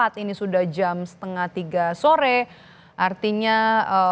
tidak memadai dan tidak meyakinkan